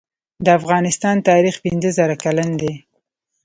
د افغانستان تاریخ پنځه زره کلن دی